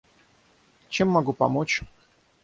Чем могу помочь?